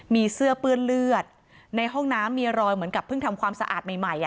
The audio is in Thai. มีเสื้อเปื้อนเลือดในห้องน้ำมีรอยเหมือนกับเพิ่งทำความสะอาดใหม่